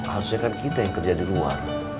harusnya kan kita yang kerja di luar